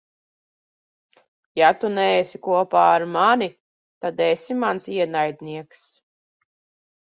Ja tu neesi kopā ar mani, tad esi mans ienaidnieks.